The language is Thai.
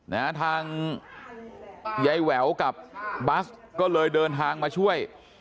นะฮะทางยายแหววกับบัสก็เลยเดินทางมาช่วย